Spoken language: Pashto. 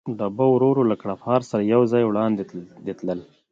ډبه ورو ورو له کړپهار سره یو ځای وړاندې تلل.